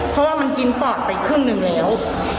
เพราะว่ามันกินปอดไปครึ่งหนึ่งแล้ว